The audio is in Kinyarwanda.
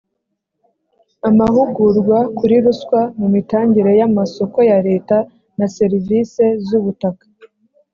amahugurwa kuri ruswa mu mitangire y’ amasoko ya leta na serivise z’ ubutaka